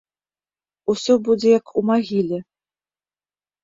Усё будзе як у магіле.